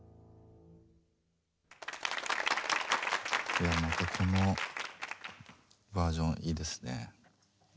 いやもうまたこのバージョンいいですね。